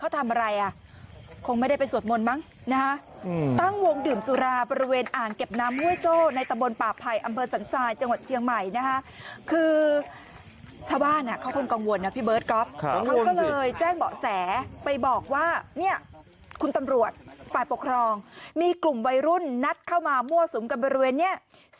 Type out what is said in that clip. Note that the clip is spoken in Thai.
ที่จังหวัดเชียงใหม่และชนบุรีก่อนหน้านี้